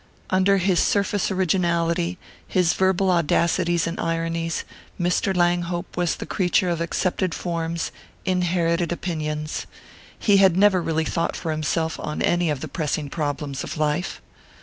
_ Under his surface originality, his verbal audacities and ironies, Mr. Langhope was the creature of accepted forms, inherited opinions: he had never really thought for himself on any of the pressing problems of life.